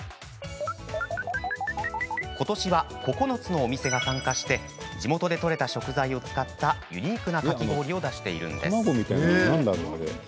ことしは９つのお店が参加して地元で取れた食材を使ったユニークなかき氷を出しているんです。